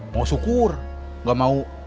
mau syukur gak mau